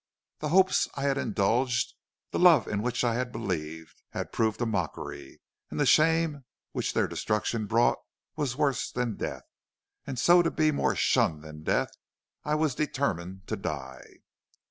The hopes I had indulged, the love in which I had believed, had proved a mockery, and the shame which their destruction brought was worse than death, and so to be more shunned than death. I was determined to die.